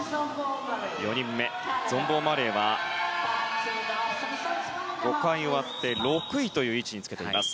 ４人目、ゾンボーマレーは５回終わって６位という位置。